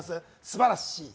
すばらしい。